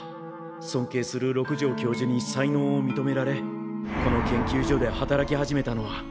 尊敬する六条教授に才能を認められこの研究所で働き始めたのは。